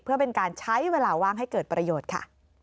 เพื่อเป็นการใช้เวลาว่างให้เกิดประโยชน์ค่ะ